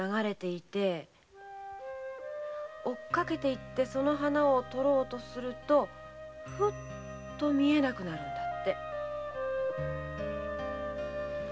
追っかけてその花を取ろうとするとふっと見えなくなるんだって。